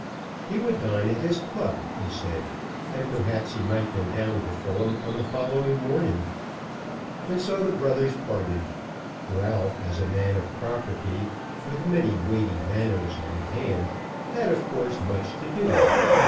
He would dine at his club, he said, and perhaps he might go down to Fulham on the following morning. And so the brothers parted. Ralph, as a man of property, with many weighty matters on hand, had, of course, much to do.